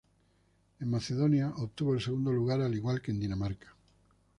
En Macedonia obtuvo el segundo lugar al igual que en Dinamarca.